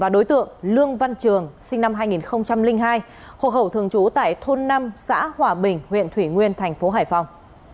đối tượng lương văn trường sinh năm hai nghìn hai hộ khẩu thường trú tại thôn năm xã hòa bình huyện thủy nguyên tp hải phòng